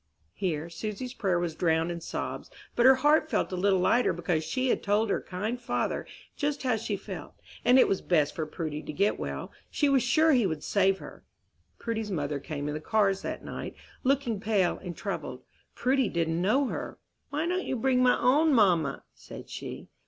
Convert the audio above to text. Here Susy's prayer was drowned in sobs; but her heart felt a little lighter because she had told her kind Father just how she felt, and if it was best for Prudy to get well, she was sure he would save her. Prudy's mother came in the cars that night, looking pale and troubled. Prudy did not know her. "Why don't you bring my own mamma?" said she.